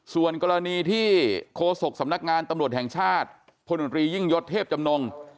ส่วนกรณีที่โฆษกสำนักงานตำรวจแห่งชาติพลนตรียิ่งยศเทพจำนง